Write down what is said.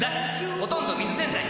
ほとんど水洗剤